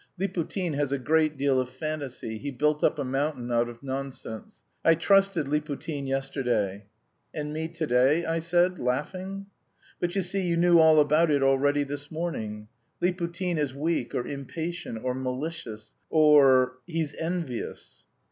Liputin has a great deal of fantasy, he built up a mountain out of nonsense. I trusted Liputin yesterday." "And me to day?" I said, laughing. "But you see, you knew all about it already this morning; Liputin is weak or impatient, or malicious or... he's envious."